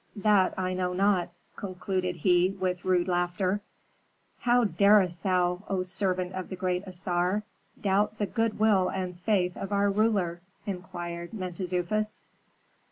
that I know not," concluded he, with rude laughter. "How darest thou, O servant of the great Assar, doubt the good will and faith of our ruler?" inquired Mentezufis.